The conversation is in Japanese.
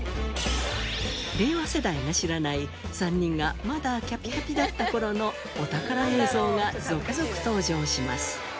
令和世代が知らない３人がまだキャピキャピだった頃のお宝映像が続々登場します。